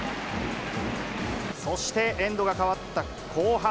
そしてエンドが変わった後半。